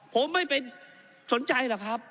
ผมไม่ไปสนใจหรอกครับ